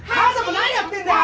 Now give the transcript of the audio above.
何やってんだよ！